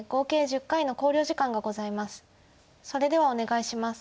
それではお願いします。